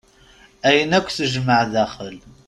Ayen akk tejmaɛ daxel.